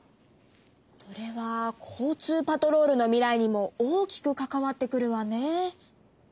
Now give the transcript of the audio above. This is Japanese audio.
それは交通パトロールの未来にも大きく関わってくるわね。